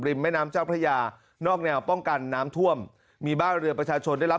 แม่น้ำเจ้าพระยานอกแนวป้องกันน้ำท่วมมีบ้านเรือประชาชนได้รับ